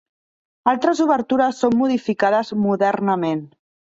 Altres obertures són modificades modernament.